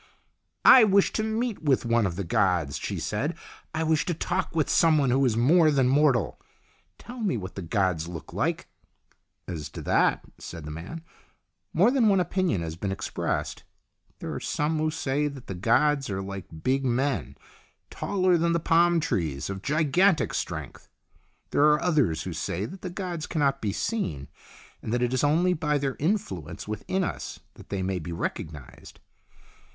" I wish to meet with one of the gods," she said. " I wish to talk with someone who is more than mortal. Tell me what the gods look like." "As to that," said the man, "more than one opinion has been expressed. There are some who say that the gods are like big men, taller than the palm trees, of gigantic strength. There are others who say that the gods cannot be seen, and that it is only by their influence within us that they may be recognized.